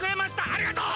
ありがとう！